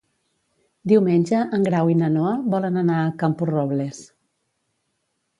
Diumenge en Grau i na Noa volen anar a Camporrobles.